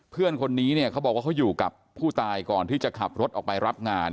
เพื่อนคนนี้เนี่ยเขาบอกว่าเขาอยู่กับผู้ตายก่อนที่จะขับรถออกไปรับงาน